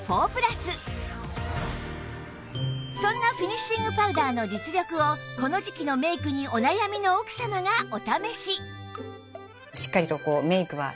そんなフィニッシングパウダーの実力をこの時季のメイクにお悩みの奥様がお試し